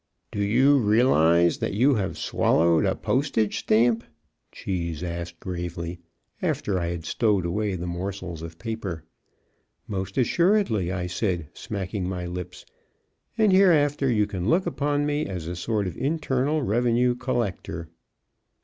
"Do you realize that you have swallowed a postage stamp?" Cheese asked, gravely, after I had stowed away the morsels of paper. "Most assuredly," I said, smacking my lips, "and hereafter you can look upon me as a sort of internal revenue collector."